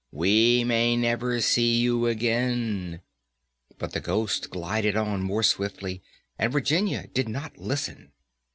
we may never see you again," but the Ghost glided on more swiftly, and Virginia did not listen.